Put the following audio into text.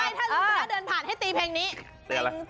หรือไปถ้าลูกพ่อเดินผ่านให้ตีเพลงนี้